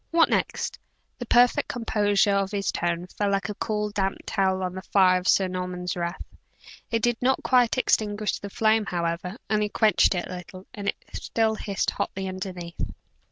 What next?" The perfect composure of his tone fell like a cool, damp towel on the fire of Sir Norman's wrath. It did not quite extinguish the flame, however only quenched it a little and it still hissed hotly underneath.